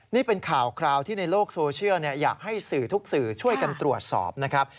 นี่เป็นข่าวคราวที่ในโลกโซเชียลอยากให้สื่อทุกสื่อช่วยกันตรวจสอบนะครับ